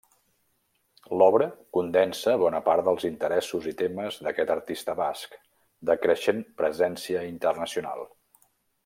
L'obra condensa bona part dels interessos i temes d'aquest artista basc, de creixent presència internacional.